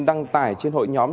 đăng tải trên hội nhóm